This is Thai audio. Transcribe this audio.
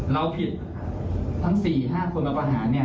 เราผิดทั้ง๔๕คนมาประหารเนี่ย